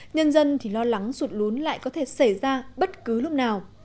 nhân dân thì lo lắng sụt lún lại có thể xảy ra bất cứ lúc nào